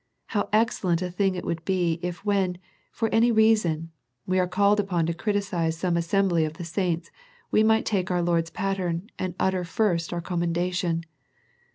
How excellent a thing it would be if when, for any reason, we are called upon to criticize some assembly of the saints, we might take our Lord's pattern, and utter first our commendation.